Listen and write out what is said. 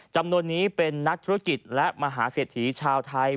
จำนวนนี้เป็นนักธุรกิจและมหาเศรษฐีชาวไทย